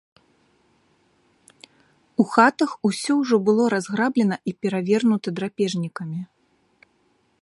У хатах усё ўжо было разграблена і перавернута драпежнікамі.